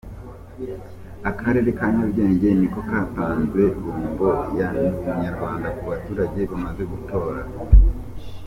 Akarere ka Nyarugenge ni ko katanze bombo ya “ Ndi Umunyarwanda” ku baturage bamaze gutora.